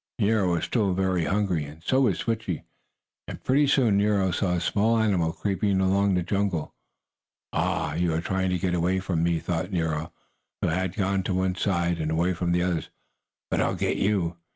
Nero was still very hungry, and so was Switchie, and pretty soon Nero saw a small animal creeping along through the jungle. "Ah, you are trying to get away from me!" thought Nero, who had gone to one side, and away from the others. "But I'll get you!"